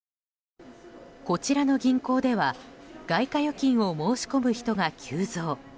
こちらの銀行では外貨預金を申し込む人が急増。